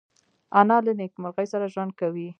انا له نیکمرغۍ سره ژوند کوي